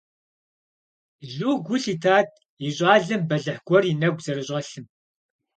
Лу гу лъитат и щӀалэм бэлыхь гуэр и нэгу зэрыщӀэлъым.